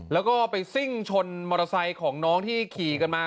แล้วก็ไปซิ่งชนมอเตอร์ไซค์ของน้องที่ขี่กันมา